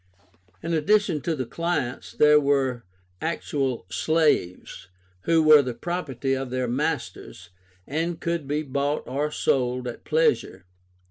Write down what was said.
In addition to the clients there were actual slaves, who were the property of their masters, and could be bought or sold at pleasure.